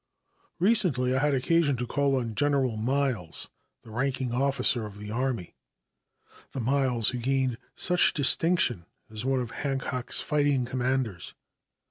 "Recently I had occasion to call on General Miles, the ranking officer of the army, the Miles who gained such distinction as one of Hancock's fighting commanders.